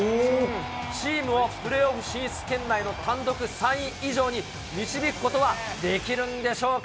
チームをプレーオフ進出圏内の単独３位以上に導くことはできるんでしょうか。